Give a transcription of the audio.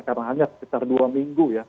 karena hanya sekitar dua minggu ya